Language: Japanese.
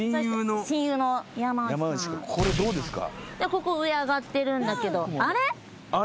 ここ上あがってるんだけどあれ？